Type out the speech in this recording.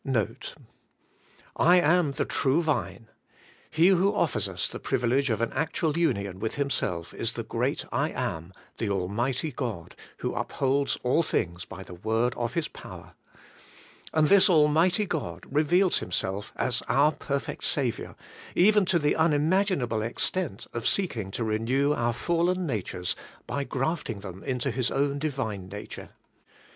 NOTE. *"I am the True Vine." He who offers us the privilege of an actual union with Himself is the great I Am, the almighty God, who upholds all things by the word of His power. And this almighty God re veals Himself as our perfect Saviour, even to the unimaginable extent of seeking to renew our fallen natures by grafting them into His own Divine nature.